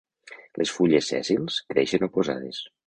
Les fulles sèssils creixen oposades.